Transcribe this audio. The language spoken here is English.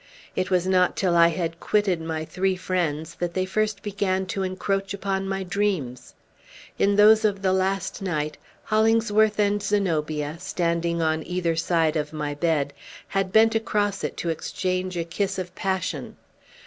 It was not till I had quitted my three friends that they first began to encroach upon my dreams. In those of the last night, Hollingsworth and Zenobia, standing on either side of my bed, had bent across it to exchange a kiss of passion.